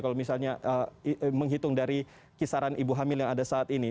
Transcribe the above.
kalau misalnya menghitung dari kisaran ibu hamil yang ada saat ini